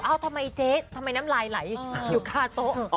ทำไมเจ๊ทำไมน้ำลายไหลอยู่คาโต๊ะ